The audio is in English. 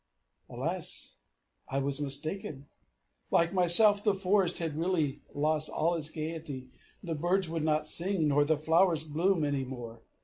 Alas! I was mistaken. Like myself the forest had really lost all its gayety; the birds would not sing, nor the flowers bloom any more.